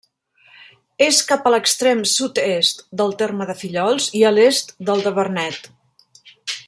És cap a l'extrem sud-est del terme de Fillols i a l'est del de Vernet.